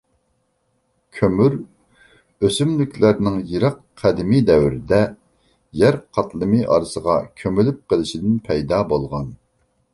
كۆمۈر ئۆسۈملۈكلەرنىڭ يىراق قەدىمكى دەۋردە يەر قاتلىمى ئارىسىغا كۆمۈلۈپ قېلىشىدىن پەيدا بولغان.